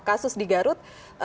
kasus di garut